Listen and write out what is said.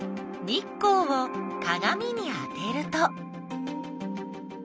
日光をかがみにあてると。